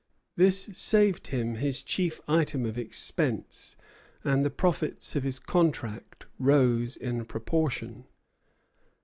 This saved him his chief item of expense, and the profits of his contract rose in proportion.